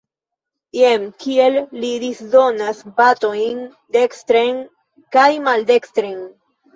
Jen kiel li disdonas batojn dekstren kaj maldekstren!